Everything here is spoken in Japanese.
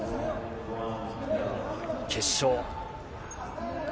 決勝。